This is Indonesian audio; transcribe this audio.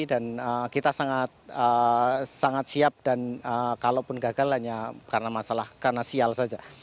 dan kita sangat siap dan kalaupun gagal hanya karena masalah karena sial saja